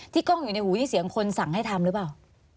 กล้องอยู่ในหูนี่เสียงคนสั่งให้ทำหรือเปล่า